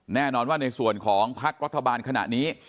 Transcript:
แน่นอนว่าในส่วนของพักรัฐบาลขณะนี้